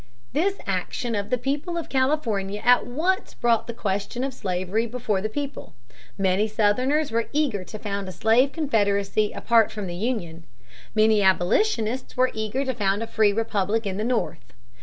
This action of the people of California at once brought the question of slavery before the people. Many Southerners were eager to found a slave confederacy apart from the Union. Many abolitionists were eager to found a free republic in the North.